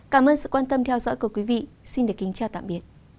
cảm ơn sự quan tâm theo dõi của quý vị xin được kính chào tạm biệt